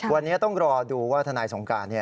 วันนี้ต้องรอดูว่าทนายสงการ